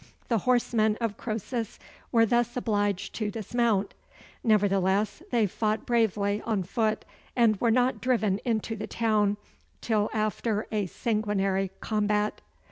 The horsemen of Croesus were thus obliged to dismount; nevertheless they fought bravely on foot, and were not driven into the town till after a sanguinary combat.